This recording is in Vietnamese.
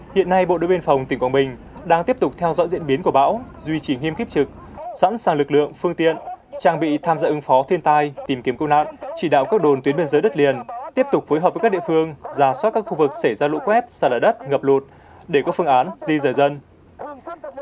hiện nay bộ đội biên phòng tỉnh quảng bình đang tiếp tục theo dõi diễn biến của bão duy trì nghiêm kiếp trực sẵn sàng lực lượng phương tiện trang bị tham gia ứng phó thiên tai tìm kiếm cứu nạn chỉ đạo các đồn tuyến biên giới đất liền tiếp tục phối hợp với các địa phương giả soát các khu vực xảy ra lũ quét xa lở đất ngập lụt để có phương án di rời dân